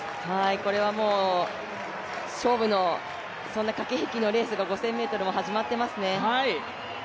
これはもう勝負のそんな、駆け引きのレースが５０００ｍも始まっていますね。